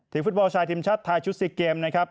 ทีมฟุตบอลชายทีมชัดไทยชุดสี่เกมนะครับ